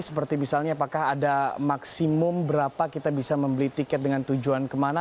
seperti misalnya apakah ada maksimum berapa kita bisa membeli tiket dengan tujuan kemana